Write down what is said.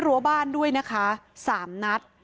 รั้วบ้านด้วยนะคะ๓นัด